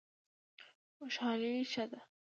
خوشحالي ښه دی.